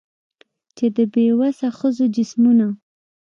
چي د بې وسه ښځو جسمونه